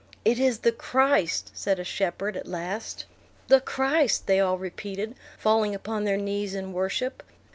"It is the Christ!" said a shepherd, at last. "The Christ!" they all repeated, falling upon their knees in worship.